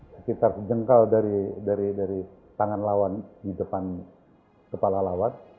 sekitar jengkal dari tangan lawan di depan kepala lawan